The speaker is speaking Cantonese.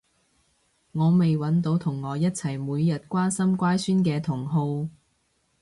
我未搵到同我一齊每日關心乖孫嘅同好